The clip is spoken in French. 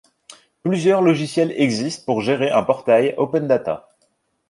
Plusieurs logiciels existent pour gérer un portail open data.